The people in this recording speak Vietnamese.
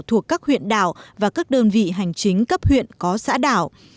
thuộc các huyện đảo và các đơn vị hành chính cấp huyện có xã đảo